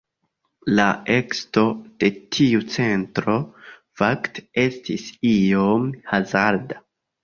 La ekesto de tiu centro fakte estis iom hazarda.